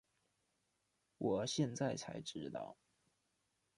我现在才知道